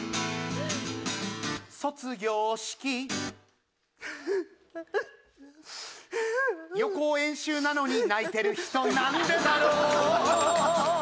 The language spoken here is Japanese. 「卒業式」「予行演習なのに泣いてる人なんでだろう？」